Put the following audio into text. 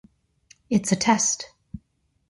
It’s a test.